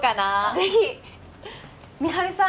ぜひ美晴さん